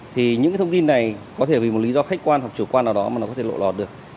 thì những cái thông tin này có thể vì một lý do khách quan hoặc chủ quan nào đó mà nó có thể lộ lọt được